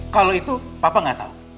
kalau itu papa nggak tahu